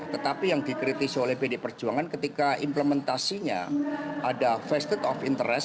tetapi yang dikritisi oleh pd perjuangan ketika implementasinya ada vested of interest